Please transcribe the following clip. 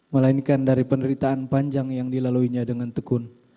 melainkan dari penderitaan panjang yang dilaluinya dengan tekun